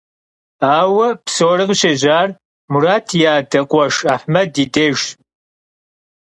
Aue psori khışêjar Murat yi ade khueşş Ahmed yi dêjjş.